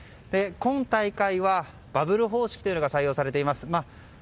今大会はバブル方式というのが採用されています。